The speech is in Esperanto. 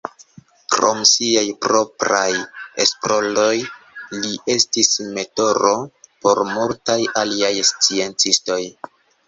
Krom siaj propraj esploroj, li estis mentoro por multaj aliaj sciencistoj.